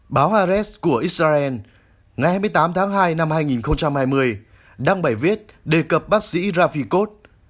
báo haaretz của israel ngày hai mươi tám tháng hai năm hai nghìn hai mươi đăng bài viết đề cập bác sĩ rafi kot